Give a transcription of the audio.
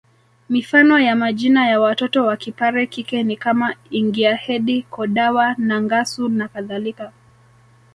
Mifano ya majina ya watoto wakipare kike ni kama Ingiahedi Kodawa Nangasu na kadhalika